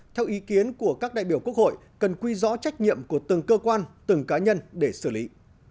theo ý kiến của các đại biểu quốc hội cần quy rõ trách nhiệm của từng cơ quan từng cá nhân để xử lý